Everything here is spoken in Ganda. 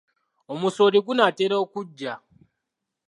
Omusooli gunaatera okuggya.